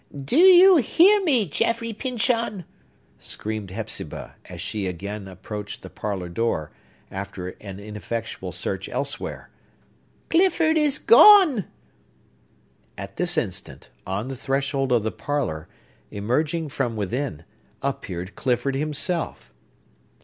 "Do you hear me, Jaffrey Pyncheon?" screamed Hepzibah, as she again approached the parlor door, after an ineffectual search elsewhere. "Clifford is gone." At this instant, on the threshold of the parlor, emerging from within, appeared Clifford himself!